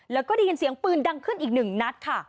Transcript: แล้วก็ได้ยินเสียงปืนดังขึ้นอีกหนึ่งนัดค่ะ